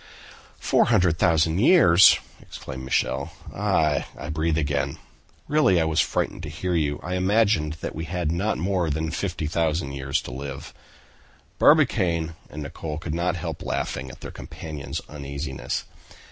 "Four hundred thousand years!" exclaimed Michel. "Ah! I breathe again. Really I was frightened to hear you; I imagined that we had not more than 50,000 years to live." Barbicane and Nicholl could not help laughing at their companion's uneasiness.